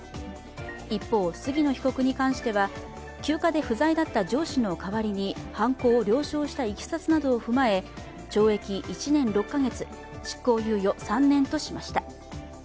一方、杉野被告に関しては休暇で不在だった上司の代わりに犯行を了承したいきさつなどを踏まえ懲役１年６か月執行猶予３年としました。